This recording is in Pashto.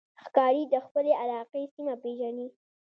ښکاري د خپلې علاقې سیمه پېژني.